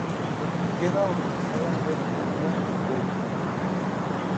Queda horrorizada al ver una herida en su cuello.